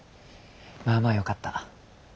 まあまあよかった。